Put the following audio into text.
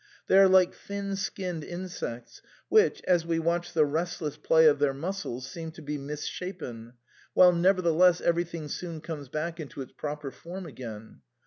They are like thin skinned insects, which, as we watch the restless play of their muscles, seem to be misshapen, while nevertheless everything soon comes back into its proper form again.